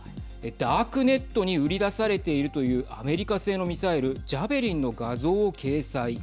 ダークネットに売り出されているというアメリカ製のミサイルジャベリンの画像を掲載。